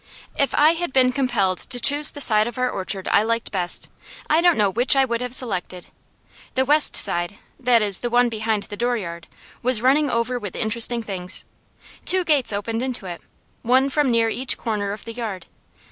If I had been compelled to choose the side of our orchard I liked best, I don't know which I would have selected. The west side that is, the one behind the dooryard was running over with interesting things. Two gates opened into it, one from near each corner of the yard.